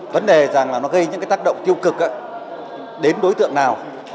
vấn đề là nó gây những tác động tiêu cực đến đối tượng nào